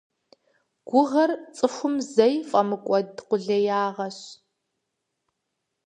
Гугъэр цӀыхум зэи фӀэмыкӀуэд къулеягъэщ.